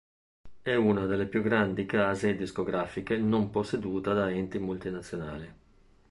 È una delle più grandi case discografiche non posseduta da enti multinazionali.